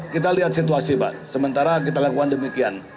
kita lihat situasi pak sementara kita lakukan demikian